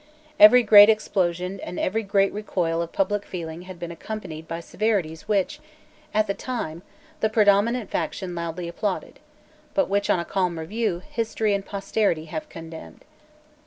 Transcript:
Every great explosion and every great recoil of public feeling had been accompanied by severities which, at the time, the predominant faction loudly applauded, but which, on a calm review, history and posterity have condemned.